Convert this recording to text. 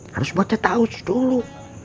harus baca taus dulu